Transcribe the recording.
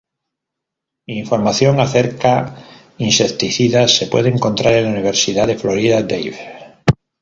Información acerca insecticidas se puede encontrar en la Universidad de Florida, Davie.